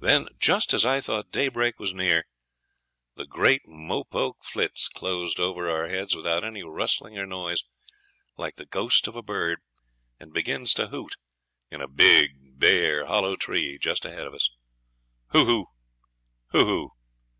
Then, just as I thought daybreak was near, a great mopoke flits close over our heads without any rustling or noise, like the ghost of a bird, and begins to hoot in a big, bare, hollow tree just ahead of us. Hoo hoo! hoo hoo!